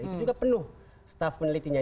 itu juga penuh staff penelitinya